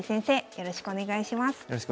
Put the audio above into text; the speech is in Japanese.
よろしくお願いします。